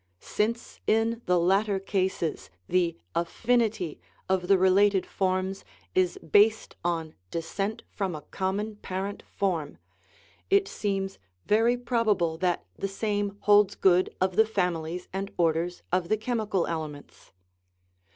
Since in the latter cases the "af 222 THE LAW OF SUBSTANCE finity " of the related forms is based on descent from a common parent form, it seems very probable that the same holds good of the families and orders of the chem ical elements.